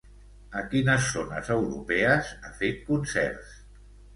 A quines zones europees ha fet concerts?